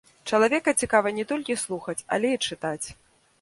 Чалавека цікава не толькі слухаць, але і чытаць.